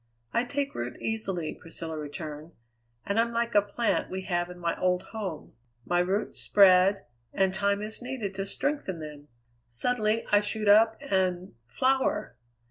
"I take root easily," Priscilla returned, "and I'm like a plant we have in my old home. My roots spread, and time is needed to strengthen them; suddenly I shoot up and flower.